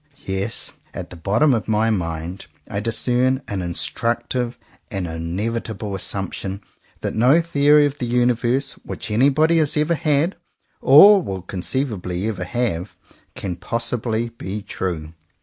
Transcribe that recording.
Yes, at the bottom of my mind I discern an instructive and inevitable assumption that no theory of the universe which anybody has ever had, or will conceivably ever have, can possibly be true.